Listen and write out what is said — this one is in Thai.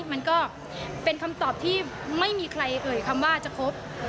มันก็เป็นคำตอบที่ไม่มีใครเอ่ยคำว่าจะครบ